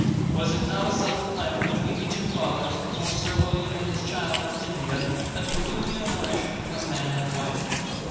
"Was it not a settled plan between the two fathers, before Sir William and his child left India, that Cordelia and I should become man and wife?"